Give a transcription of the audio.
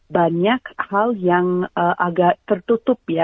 banyak hal yang agak tertutupi